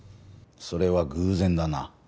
それは偶然だな。